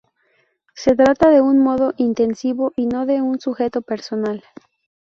Se trata de un modo intensivo y no de un sujeto personal.